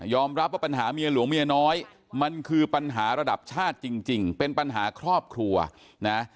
รับว่าปัญหาเมียหลวงเมียน้อยมันคือปัญหาระดับชาติจริงเป็นปัญหาครอบครัวนะ